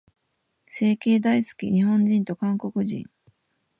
整形大好き、日本人と韓国人。